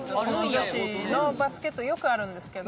女子のバスケットよくあるんですけど。